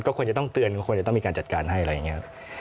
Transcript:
ก็ควรจะต้องเตือนก็ควรจะต้องมีการจัดการให้อะไรอย่างนี้ครับ